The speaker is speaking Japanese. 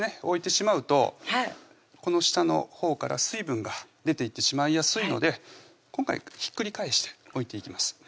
置いてしまうとこの下のほうから水分が出ていってしまいやすいので今回ひっくり返して置いていきます